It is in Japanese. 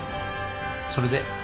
それで？